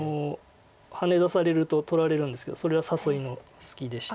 ハネ出されると取られるんですけどそれは誘いの隙でして。